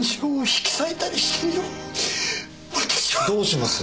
どうします？